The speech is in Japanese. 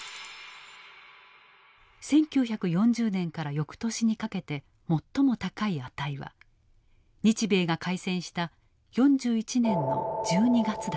１９４０年から翌年にかけて最も高い値は日米が開戦した４１年の１２月だった。